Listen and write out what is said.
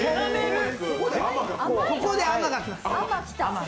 ここで甘がきます。